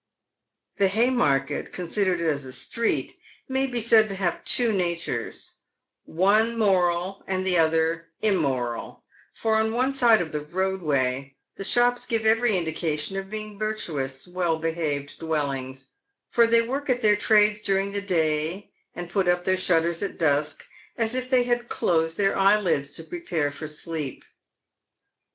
The Haymarket, considered as a street, may be said to have two natures : one moral, and the other immoral ; for on one side of the roadway the shops give every indication of being virtuous and well behaved dwellings, for they work at their trades during the day, and put up their shutters at dusk, as if they had closed their eyelids to prepare for sleep.